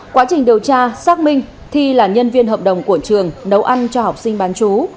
quá trình điều tra xác minh thi là nhân viên hợp đồng của trường nấu ăn cho học sinh bán chú